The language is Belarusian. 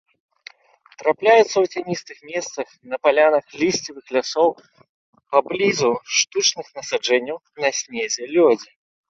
Трапляюцца ў цяністых месцах, на палянах лісцевых лясоў, паблізу штучных насаджэнняў, на снезе, лёдзе.